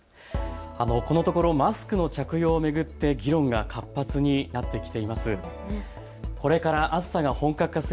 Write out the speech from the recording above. このところマスクの着用を巡って議論が活発になってきています。